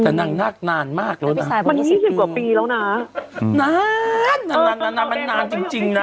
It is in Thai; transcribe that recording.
แต่นางนาคนานมากแล้วมันสี่สิบกว่าปีแล้วนะนานนานนานมันนานจริงจริงนะ